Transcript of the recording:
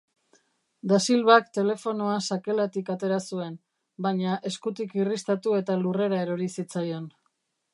Dasilvak telefonoa sakelatik atera zuen, baina eskutik irristatu eta lurrera erori zitzaion.